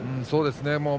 そうですね。